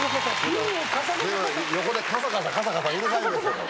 横でカサカサカサカサうるさいんですけど。